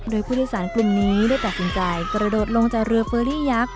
โดยผู้โดยสารกลุ่มนี้ได้ตัดสินใจกระโดดลงจากเรือเฟอรี่ยักษ์